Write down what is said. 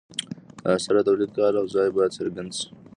د اثر د تولید کال او ځای باید څرګند شي.